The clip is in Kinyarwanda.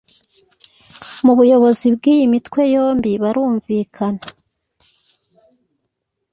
mu buyobozi bw’iyi mitwe yombi barumvikana.